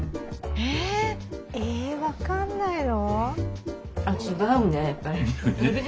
ええ分かんないの？